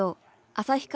旭川